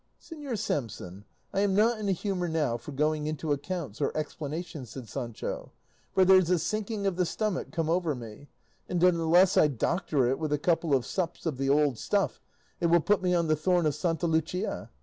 "Señor Samson, I am not in a humour now for going into accounts or explanations," said Sancho; "for there's a sinking of the stomach come over me, and unless I doctor it with a couple of sups of the old stuff it will put me on the thorn of Santa Lucia.